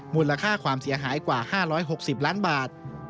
มูลค่าความเสียหายกว่า๕๖๐ล้านบาท